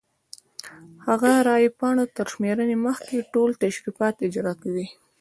هغه د رای پاڼو تر شمېرنې مخکې ټول تشریفات اجرا کوي.